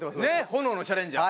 『炎のチャレンジャー』。